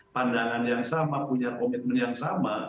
pandangan yang sama punya komitmen yang sama